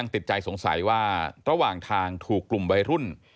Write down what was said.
ติดใจสงสัยว่าระหว่างทางถูกกลุ่มวัยรุ่น